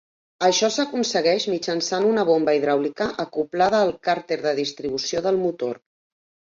Això s'aconsegueix mitjançant una bomba hidràulica acoblada al càrter de distribució del motor.